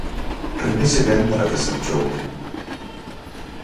Remexe ben para que se enchoupen.